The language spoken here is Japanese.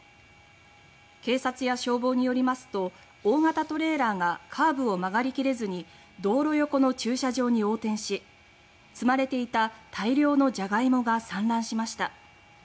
警察や消防によりますと大型トレーラーがカーブを曲がりきれずに道路横の駐車場に横転し積まれていた大量のジャガイモが散乱しました。